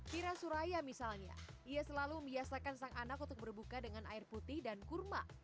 kira suraya misalnya ia selalu membiasakan sang anak untuk berbuka dengan air putih dan kurma